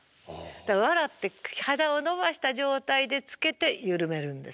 だから笑って肌を伸ばした状態でつけて緩めるんですね。